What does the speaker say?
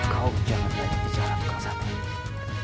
kau jangan lagi bicara dengan aku